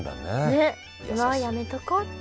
ねっ「今はやめとこう」って。